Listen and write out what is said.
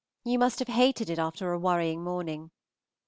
You must have hated it after a worrying morning.